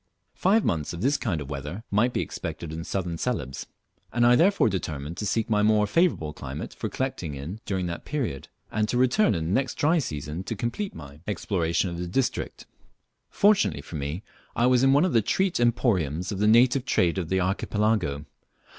Five months of this kind of weather might be expected in Southern Celebes, and I therefore determined to seek some more favourable climate for collecting in during that period, and to return in the next dry season to complete my exploration of the district. Fortunately for me I was in one of the treat emporiums of the native trade of the archipelago.